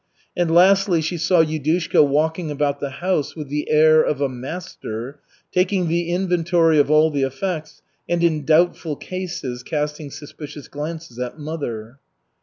And lastly she saw Yudushka walking about the house with the air of a master, taking the inventory of all the effects and in doubtful cases casting suspicious glances at mother.